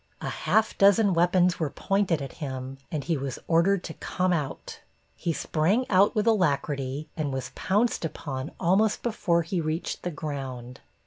A half dozen weapons were pointed at him and he was ordered to come out. He sprang out with alacrity and was pounced upon almost before he reached the ground.